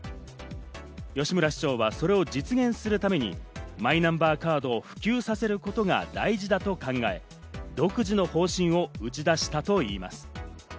吉村市長はそれを実現するためにマイナンバーカードを普及させることが大事だと考え、独自の方針を打ち出したといいます。